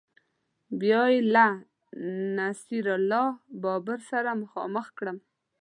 بیا یې له نصیر الله بابر سره مخامخ کړم